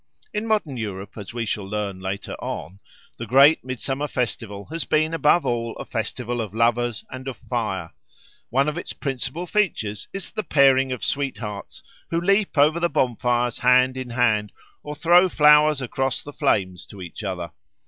In modern Europe, as we shall learn later on, the great Midsummer festival has been above all a festival of lovers and of fire; one of its principal features is the pairing of sweethearts, who leap over the bonfires hand in hand or throw flowers across the flames to each other.